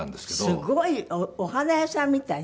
すごい。お花屋さんみたいね。